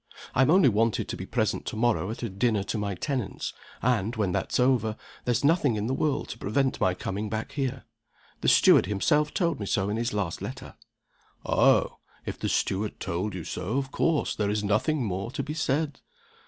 I'm only wanted to be present to morrow at a dinner to my tenants and, when that's over, there's nothing in the world to prevent my coming back here. The steward himself told me so in his last letter." "Oh, if the steward told you so, of course there is nothing more to be said!"